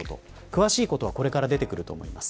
詳しいことはこれから出てくると思います。